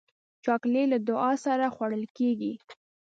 چاکلېټ له دعا سره خوړل کېږي.